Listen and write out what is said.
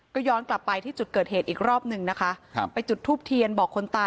ก็ย้อนกลับไปที่จุดเกิดเหตุอีกรอบหนึ่งนะคะครับไปจุดทูปเทียนบอกคนตาย